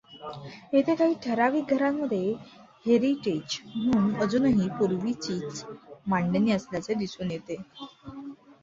येथे काही ठरावीक घरांमध्ये हेरिटेज म्हणून अजूनही पूर्वीचीच मांडणी असल्याचे दिसून येते.